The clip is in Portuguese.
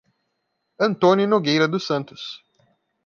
Antônio Nogueira dos Santos